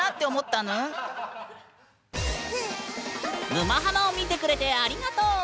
「沼ハマ」を見てくれてありがとう！